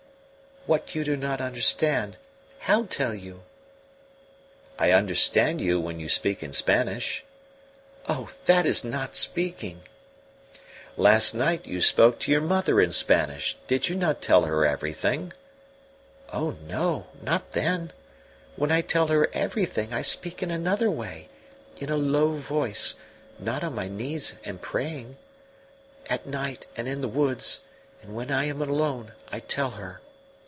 "What you do not understand. How tell you?" "I understand you when you speak in Spanish." "Oh, that is not speaking." "Last night you spoke to your mother in Spanish. Did you not tell her everything?" "Oh no not then. When I tell her everything I speak in another way, in a low voice not on my knees and praying. At night, and in the woods, and when I am alone I tell her.